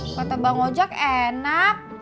mbak tebang ojek enak